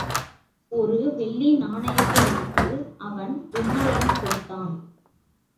ஒரு வெள்ளி நாணயத்தை எடுத்து அவன் உமாரிடம் கொடுத்தான்.